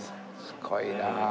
すごいなあ。